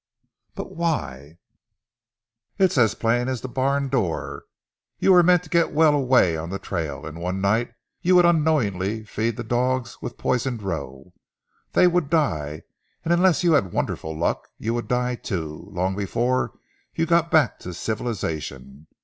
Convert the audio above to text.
"But why " "It's as plain as a barn door. You were meant to get well away on the trail, and one night you would unknowingly feed the dogs with poisoned roe. They would die, and unless you had wonderful luck you would die too, long before you got back to civilization.